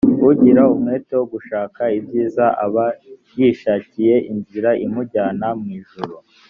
ugira umwete wo gushaka ibyiza aba yishakiye inzira imujyana mwijuru